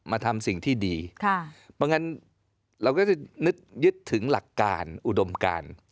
มาทำสิ่งที่ดีค่ะเพราะฉะนั้นเราก็จะนึกยึดถึงหลักการอุดมการ